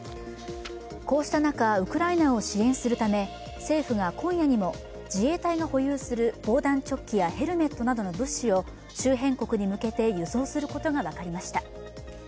こうした中、ウクライナを支援するため、政府が今夜にも自衛隊の保有する防弾チョッキやヘルメットなどの物資を周辺国に向けて輸送することが分かりました。